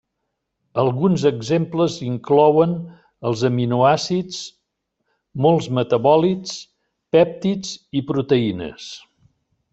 Alguns exemples inclouen els aminoàcids, molts metabòlits, pèptids i proteïnes.